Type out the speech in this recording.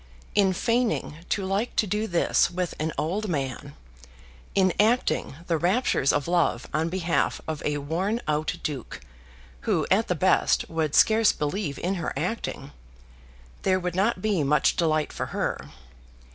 In feigning to like to do this with an old man, in acting the raptures of love on behalf of a worn out duke who at the best would scarce believe in her acting, there would not be much delight for her.